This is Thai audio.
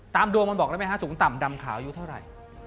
ตามโดงมันบอกได้มั้ยฮะสูงต่ำดำขาอยู่เท่าไร